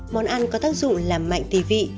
món ăn có tác dụng làm mạnh tì vị